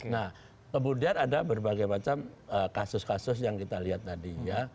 nah kemudian ada berbagai macam kasus kasus yang kita lihat tadi ya